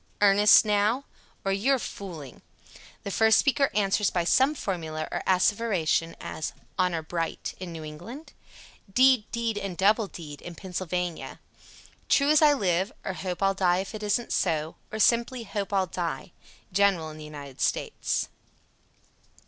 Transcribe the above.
"Earnest, now?" or, "You are fooling." The first speaker answers by some formula or asseveration, as, "Honor bright" (New England); "Deed, deed, and double deed" (Pennsylvania); "True as I live," or, "Hope I'll die if it isn't so," or simply, "Hope I'll die." _General in the United States.